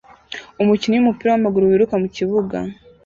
Umukinnyi wumupira wamaguru wiruka mukibuga